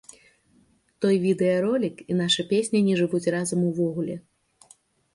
Той відэаролік і наша песня не жывуць разам увогуле.